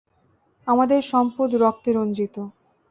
আমাদের সম্পদ রক্তে রঞ্জিত।